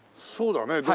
そうだね。